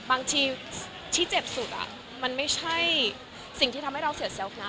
บางทีที่เจ็บสุดมันไม่ใช่สิ่งที่ทำให้เราเสียเซลล์พระ